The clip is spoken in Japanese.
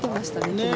昨日。